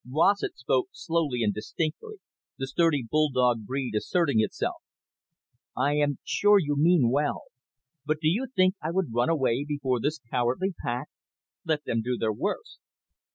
Rossett spoke slowly and distinctly, the sturdy bulldog breed asserting itself. "I am sure you mean well. But do you think I would run away before this cowardly pack? Let them do their worst."